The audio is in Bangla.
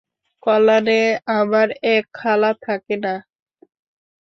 কল্যাণে আমার এক খালা থাকে না?